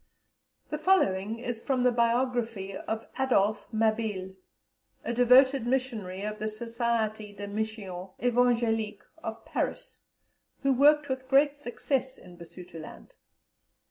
The following is from the Biography of Adolphe Mabille, a devoted missionary of the Société des Missions Evangéliques of Paris, who worked with great success in Basutoland.